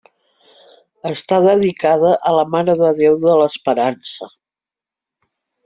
Està dedicada a la Mare de Déu de l'Esperança.